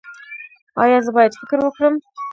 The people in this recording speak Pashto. ایا زه باید فکر وکړم؟